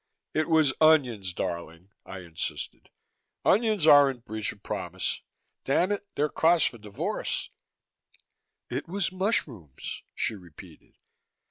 "It was onions, darling," I insisted. "Onions aren't breach of promise. Damn it! they're cause for divorce." "It was mushrooms," she repeated.